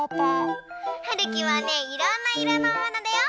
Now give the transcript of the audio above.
はるきはねいろんないろのおはなだよ。